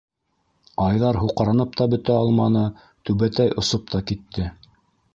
Айҙар һуҡранып та бөтә алманы, түбәтәй осоп та китте.